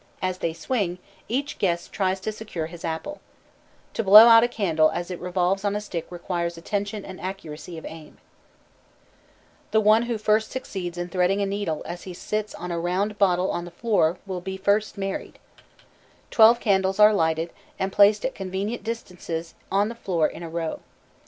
As they swing, each guest tries to secure his apple. To blow out a candle as it revolves on a stick requires attention and accuracy of aim. [Illustration: A WITCHES' CALDRON TABLE. A BLACK CAT TABLE. HALLOWE'EN TABLES, II.] The one who first succeeds in threading a needle as he sits on a round bottle on the floor, will be first married. Twelve candles are lighted, and placed at convenient distances on the floor in a row.